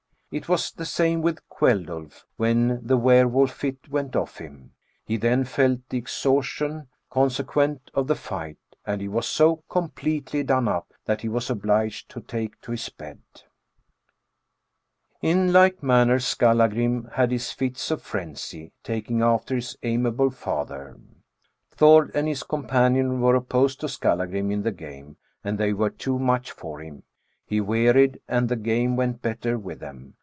It was the same with Kveldulf when the were wolf fit went off him — he then felt the exhaustion* consequent on the fight, and he was so completely *done up,' that he was obliged to take to his bed." 46 THE BOOK OF WERE WOLVES. In like manner Skallagrim had his fits of frenzy, taking after his amiable father. " Thord and his companion were opposed to Skallngrim in the game, and they were too much for him, he wearied, and the game went better with them.